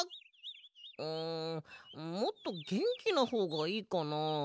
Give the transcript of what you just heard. うんもっとげんきなほうがいいかな？